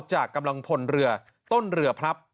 จากกำลังพลเรือต้นเรือพลับ